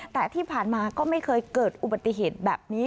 แต่ที่ผ่านมาก็ไม่เคยเกิดอุบัติเหตุแบบนี้